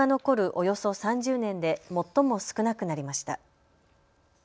およそ３０年で最も少なくなりました。